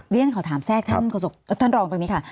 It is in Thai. เรียนขอถามแทรกท่านรองตรงนี้ค่ะ